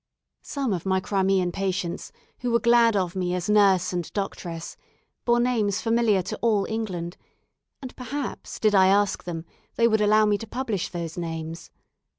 Some of my Crimean patients, who were glad of me as nurse and doctress, bore names familiar to all England, and perhaps, did I ask them, they would allow me to publish those names.